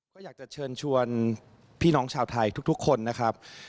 ก็อยากจะเชิญชวนพี่น้องชาวไทยทุกคนนะครับ